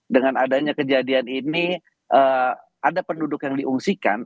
dengan adanya kejadian ini ada penduduk yang diungsikan